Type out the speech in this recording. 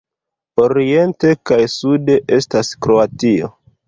Oriente kaj sude estas Kroatio.